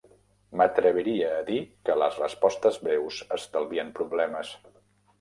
M'atreviria a dir que les respostes breus estalvien problemes.